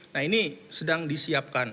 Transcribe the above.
nah ini sedang disiapkan